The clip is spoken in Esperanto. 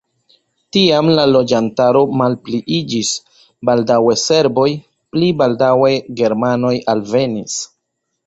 Tiam la loĝantaro malpliiĝis, baldaŭe serboj, pli baldaŭe germanoj alvenis.